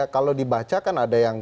kalau dibaca kan ada yang